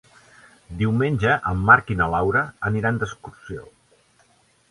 Diumenge en Marc i na Laura aniran d'excursió.